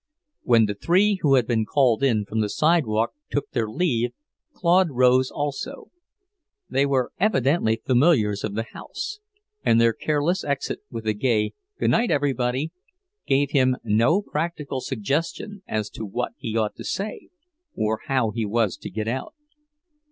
When the three who had been called in from the sidewalk took their leave, Claude rose also. They were evidently familiars of the house, and their careless exit, with a gay "Good night, everybody!" gave him no practical suggestion as to what he ought to say or how he was to get out.